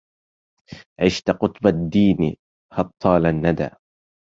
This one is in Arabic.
عشت قطب الدين هطال الندى